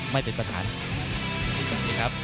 ไม่เป็นปัญหานะครับ